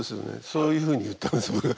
そういうふうに言ったんです。